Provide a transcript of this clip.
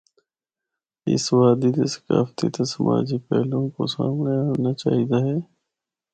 اس وادی دے ثقافتی تے سماجی پہلوؤں کو سامنڑے آنڑنا چائی دا ہے۔